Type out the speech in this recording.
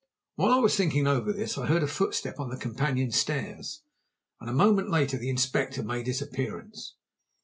While I was thinking over this, I heard a footstep on the companion stairs, and a moment later the Inspector made his appearance.